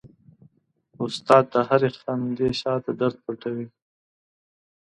استاد د هرې خندې شاته درد پټوي.